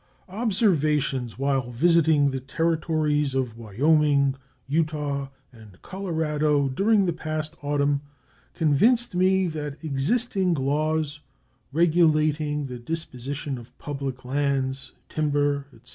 Observations while visiting the Territories of Wyoming, Utah, and Colorado during the past autumn convinced me that existing laws regulating the disposition of public lands, timber, etc.